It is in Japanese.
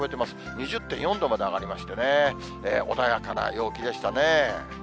２０．４度まで上がりましてね、穏やかな陽気でしたね。